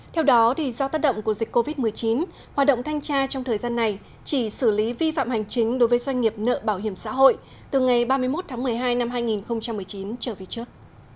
theo đó do tác động của dịch covid một mươi chín hoạt động thanh tra trong thời gian này chỉ xử lý vi phạm hành chính đối với doanh nghiệp nợ bảo hiểm xã hội từ ngày ba mươi một tháng một mươi hai năm hai nghìn một mươi chín trở về trước